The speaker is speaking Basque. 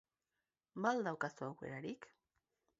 Ba al dauka aukerarik?